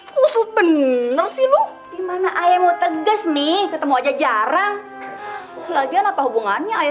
kusu penuh sih lu gimana ayah mau tegas nih ketemu aja jarang lagian apa hubungannya ayah